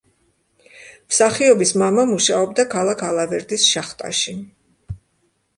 მსახიობის მამა მუშაობდა ქალაქ ალავერდის შახტაში.